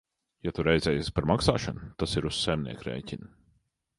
Ja tu raizējies par maksāšanu, tas ir uz saimnieka rēķina.